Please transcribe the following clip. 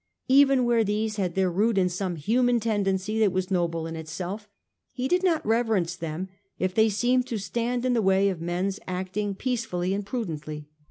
Even where these had their root in some human ten dency that was noble in itself, he did not reverence, them if they seemed to stand in the way of men's acting peacefully and prudently.